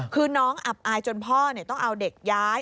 คือน้องอับอายจนพ่อต้องเอาเด็กย้าย